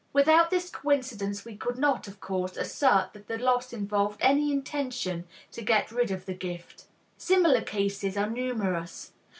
Without this coincidence we could not, of course, assert that the loss involved any intention to get rid of the gift. Similar cases are numerous.